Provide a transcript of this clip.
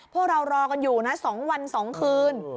พวกเรารอกันอยู่นะ๒วัน๒คืน